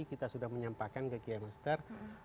kita sudah menyampaikan ke kiai master